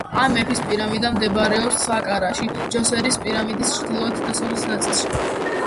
ამ მეფის პირამიდა მდებარეობს საკარაში, ჯოსერის პირამიდის ჩრდილოეთ-დასავლეთ ნაწილში.